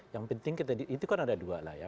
yang penting itu kan ada dua